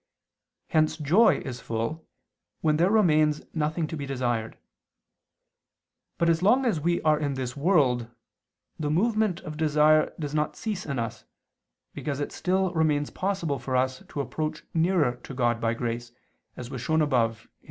Hence joy is full, when there remains nothing to be desired. But as long as we are in this world, the movement of desire does not cease in us, because it still remains possible for us to approach nearer to God by grace, as was shown above (Q.